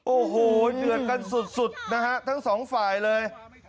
โอ้โหเดือดกันสุดนะฮะทั้งสองฝ่ายเลย